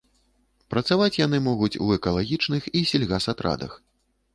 Працаваць яны могуць у экалагічных і сельгасатрадах.